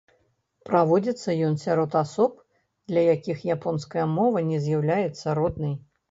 Праводзіцца ён сярод асоб, для якіх японская мова не з'яўляецца роднай.